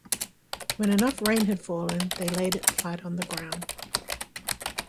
When enough rain had fallen, they laid it flat on the ground.